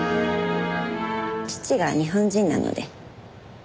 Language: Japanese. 父が日本人なので。